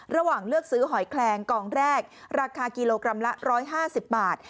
เลือกซื้อหอยแคลงกองแรกราคากิโลกรัมละ๑๕๐บาท